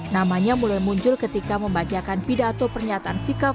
namanya mulai muncul ketika membacakan pidato pernyataan sikap